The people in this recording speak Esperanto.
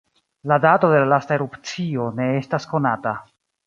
La dato de la lasta erupcio ne estas konata.